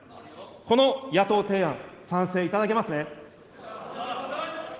この野党提案、賛成いただけますね。